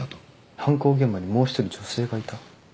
犯行現場にもう１人女性がいた？